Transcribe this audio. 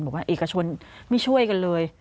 บอกว่าเอกชนไม่ช่วยกันเลย